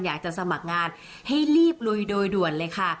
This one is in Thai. อยากจะสมัครงานให้รีบลุยโดยด่วนเลยค่ะ